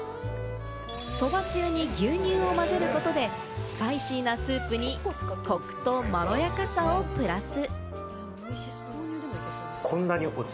そばつゆに牛乳を混ぜることで、スパイシーなスープに、コクとまろやかさをプラス。